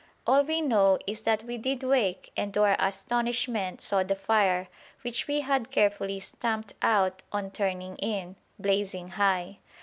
All we know is that we did wake and to our astonishment saw the fire, which we had carefully stamped out on turning in, blazing high.